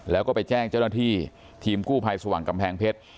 แล้วก็ไปแจ้งเจ้าหน้าที่ทีมกู้ภัยสว่างกำแพงเพชร